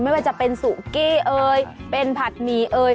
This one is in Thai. ไม่ว่าจะเป็นสุกี้เป็นผัดหมี